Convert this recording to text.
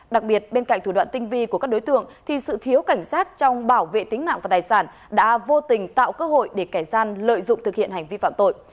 đặc biệt bên cạnh thủ đoạn tinh vi của các đối tượng thì sự thiếu cảnh sát trong bảo vệ tính mạng và tài sản đã vô tình tạo cơ hội để kẻ gian lợi dụng thực hiện hành vi phạm tội